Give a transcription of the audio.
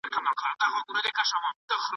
استاد شاګرد ته د نوې مسودي لارښوونه وکړه.